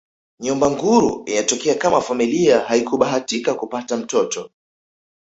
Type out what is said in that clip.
Nyumba nguru inatokea kama familia haikubahatika kupata mtoto